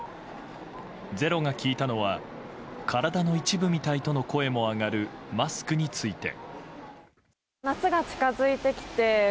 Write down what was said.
「ｚｅｒｏ」が聞いたのは体の一部みたいとの声も上がるマスクについて。